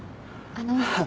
あの